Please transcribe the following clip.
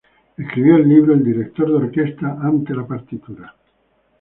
Escribió el libro: "El director de orquesta ante la partitura"